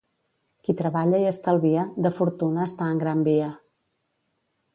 Qui treballa i estalvia, de fortuna està en gran via.